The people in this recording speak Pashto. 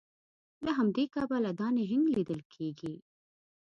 له همدې کبله دا نهنګ لیدل کیږي